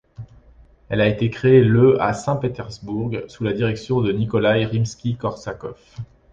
Elle a été créée le à Saint-Pétersbourg sous la direction de Nikolaï Rimski-Korsakov.